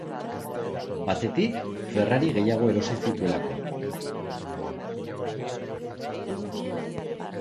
Batetik, Ferrari gehiago erosi zituelako.